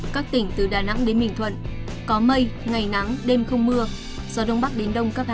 các tỉnh từ đà nẵng đến bình thuận có mây ngày nắng đêm không mưa gió đông bắc đến đông cấp hai